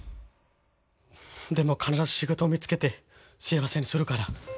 でも必ず仕事見つけて幸せにするから。